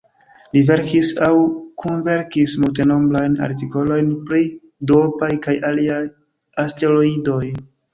Li verkis aŭ kunverkis multenombrajn artikolojn pri duopaj kaj aliaj asteroidoj.